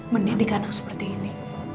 mendidik anak seperti ini